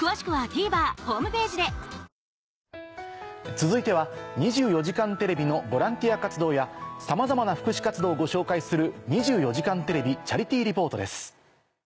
続いては『２４時間テレビ』のボランティア活動やさまざまな福祉活動をご紹介する。